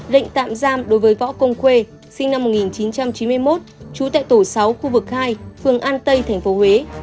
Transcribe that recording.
lệnh tạm giam đối với võ công khuê sinh năm một nghìn chín trăm chín mươi một trú tại tổ sáu khu vực hai phường an tây tp huế